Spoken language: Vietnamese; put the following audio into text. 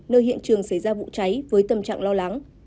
nơi hiện trường xảy ra vụ cháy với tâm trạng lo lắng